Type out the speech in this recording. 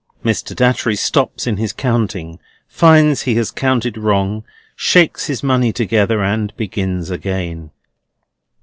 Mr. Datchery stops in his counting, finds he has counted wrong, shakes his money together, and begins again.